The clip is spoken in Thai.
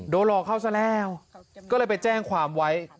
หลอกเขาซะแล้วก็เลยไปแจ้งความไว้